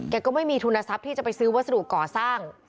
ก็ไม่มีทุนทรัพย์ที่จะไปซื้อวัสดุก่อสร้าง